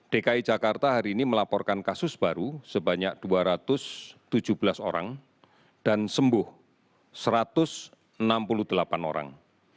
dki jakarta hari ini melaporkan kasus baru sebanyak dua ratus tujuh belas orang dan sembuh satu ratus enam puluh delapan orang